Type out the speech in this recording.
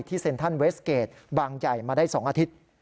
ที่เซ็นทันเวสเกจบางใจมาได้๒อาทิตย์